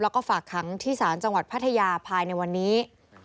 แล้วก็ฝากขังที่ศาลจังหวัดพัทยาภายในวันนี้